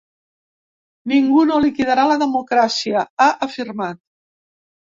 Ningú no liquidarà la democràcia, ha afirmat.